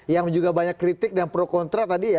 yang juga banyak kritik dan pro kontra tadi ya